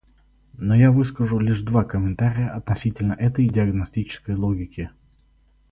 Но я выскажу лишь два комментария относительно этой диагностической логики.